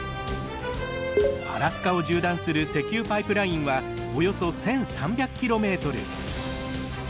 アラスカを縦断する石油パイプラインはおよそ１，３００ｋｍ。